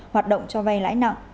hoạt động cho vay lãi nặng